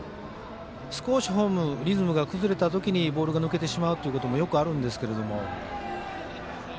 少しフォームリズムが崩れたときにボールが抜けてしまうということもあるんですけど。